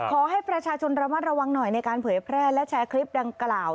ขอให้ประชาชนระมัดระวังหน่อยในการเผยแพร่และแชร์คลิปดังกล่าว